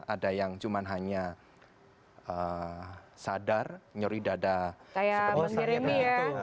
ada yang cuma hanya sadar nyori dada seperti misalnya